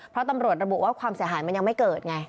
เพราะตำรวจระบุว่าความเสียหายมันยังไม่เกิดไง